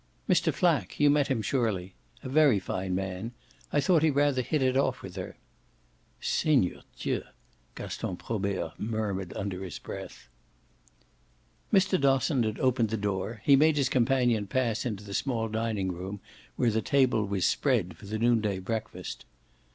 "Mr. Flack. You met him surely. A very fine man. I thought he rather hit it off with her." "Seigneur Dieu!" Gaston Probert murmured under his breath. Mr. Dosson had opened the door; he made his companion pass into the small dining room where the table was spread for the noonday breakfast.